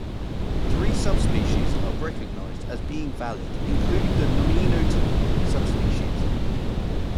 Three subspecies are recognized as being valid, including the nominotypical subspecies.